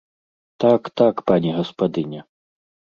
Так, так, пані гаспадыня.